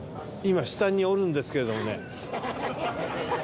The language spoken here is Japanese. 今下におるんですけれどもね。